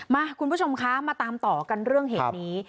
คุณผู้ชมคะมาตามต่อกันเรื่องเหตุนี้